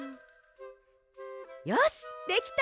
よしできた！